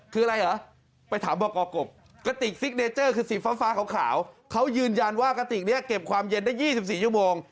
คืออะไรเหรอไปถามบอกกบกระติกซิกเนเจอร์คือสีฟ้าขาวเขายืนยันว่ากระติกนี้เก็บความเย็นได้๒๔ชั่วโมง